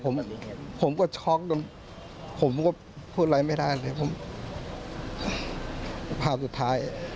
ผมผมก็ช็อกโดนผมก็พูดอะไรไม่ได้เลยผมภาพสุดท้าย